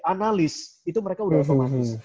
analis itu mereka sudah otomatis